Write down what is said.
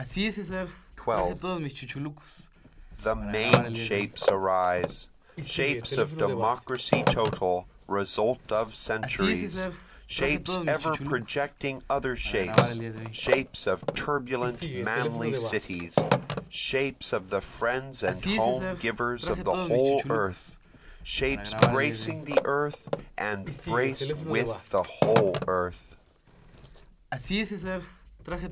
12 The main shapes arise! Shapes of Democracy total, result of centuries, Shapes ever projecting other shapes, Shapes of turbulent manly cities, Shapes of the friends and home givers of the whole earth, Shapes bracing the earth and braced with the whole earth.